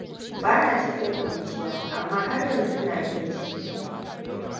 Bana cikin kurciya amma har yanzu ina iya cizo.